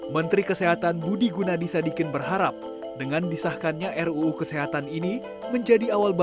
menteri kesehatan budi gunadisadikin berharap dengan disahkannya ruu kesehatan ini menjadi awal balas